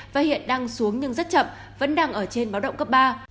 và hiện đang xuống nhưng rất chậm vẫn đang ở trên báo động cấp ba